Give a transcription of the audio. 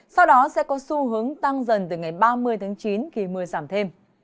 sau đó sẽ có xu hướng tăng dần từ ngày ba mươi tháng chín khi mưa giảm thêm